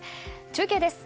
中継です。